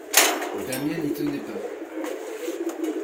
Damiens n'y tenait pas.